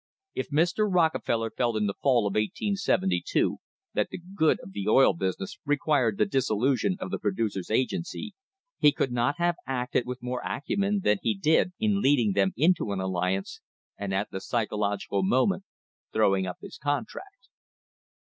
If Mr. Rockefeller felt in the fall of 1872 that the : 'good of the oil business" required the dissolution of the Producers' Agency, he could not have acted with more acumen than he did in leading them into an alliance, and at the psychological moment throwing up his contract.